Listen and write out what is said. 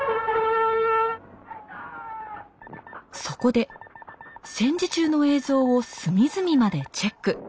そこで戦時中の映像を隅々までチェック。